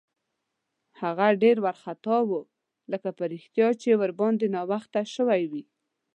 هغه ډېر وارخطا و، لکه په رښتیا چې ورباندې ناوخته شوی وي.